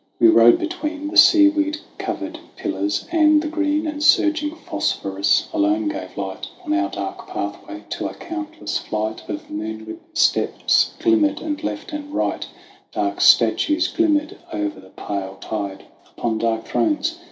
We rode between The seaweed covered pillars, and the green And surging phosphorus alone gave light On our dark pathway, till a countless flight Of moonlit steps glimmered; and left and right 100 THE WANDERINGS OF OISIN Dark statues glimmered over the pale tide Upon dark thrones.